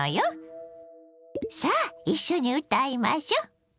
さあ一緒に歌いましょ。